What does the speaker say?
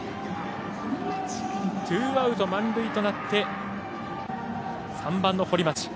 ツーアウト満塁となって３番の堀町。